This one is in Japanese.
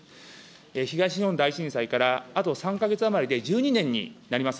東日本大震災からあと３か月余りで１２年になります。